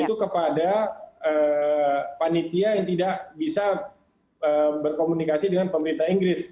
itu kepada panitia yang tidak bisa berkomunikasi dengan pemerintah inggris